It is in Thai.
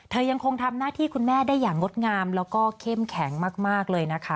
ยังคงทำหน้าที่คุณแม่ได้อย่างงดงามแล้วก็เข้มแข็งมากเลยนะคะ